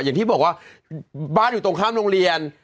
อย่างที่บอกว่าบ้านอยู่ตรงข้ามโรงเรียน